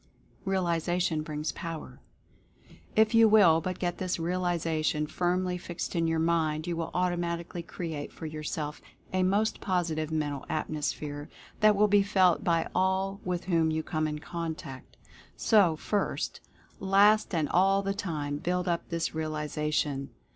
REALIZATION BRINGS POWER. If you will but get this realization firmly fixed in your mind you will automatically create for yourself a most positive Mental Atmosphere that will be felt Personal Atmosphere 191 by all with whom you come in contact. So first, last and all the time build up this Realization.